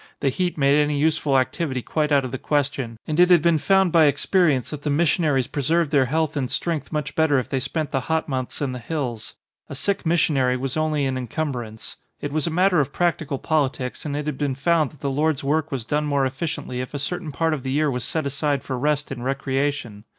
The heat made any useful activity quite out of the question and it had been found by experience that the missionaries pre served their health and strength much better if they spent the hot months in the hills. A sick missionary was only an encumbrance. It was a matter of practical politics and it had been found that the Lord's work was done more efficiently if a certain part of the year was set aside for rest and recreation.